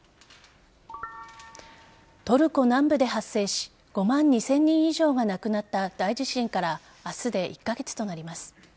トルコ南部で発生し５万２０００人以上が亡くなった大地震から明日で１カ月となります。